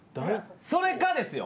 それかですよ。